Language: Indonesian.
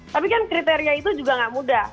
tapi kan kriteria itu juga nggak mudah